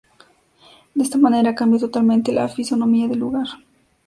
De esta manera cambia totalmente la fisonomía del lugar.